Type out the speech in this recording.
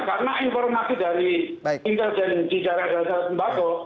karena informasi dari intelijen di jalan jalan tembaku